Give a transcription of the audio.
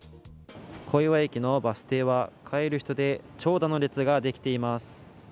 小岩駅のバス停は帰る人で長蛇の列ができています。